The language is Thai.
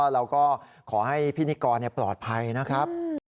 เราก็ขอให้พี่นิกรปลอดภัยนะครับ